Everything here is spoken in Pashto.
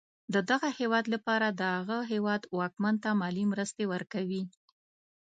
د دغه هدف لپاره د هغه هېواد واکمن ته مالي مرستې ورکوي.